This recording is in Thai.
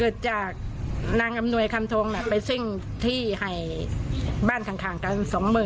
เกิดจากนางอำนวยคันทงไปซึ่งที่ให้บ้านทางกัน๒๐๐๐๐